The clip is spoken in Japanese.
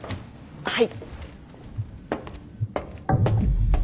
はい。